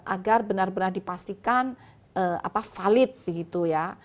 agar benar benar dipastikan valid begitu ya